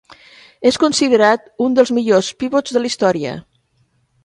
És considerat un dels millors pivots de la història.